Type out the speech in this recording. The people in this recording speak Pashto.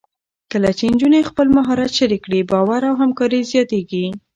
کله چې نجونې خپل مهارت شریک کړي، باور او همکاري زیاتېږي.